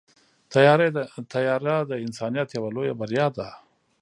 طیاره د انسانیت یوه لویه بریا ده.